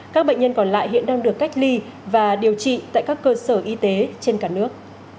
các bệnh nhân còn lại hiện đang được cách ly và điều trị tại các cơ sở y tế trên cả nước